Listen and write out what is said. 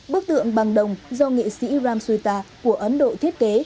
bức tượng bằng đồng do nghệ sĩ ram suta của ấn độ thiết kế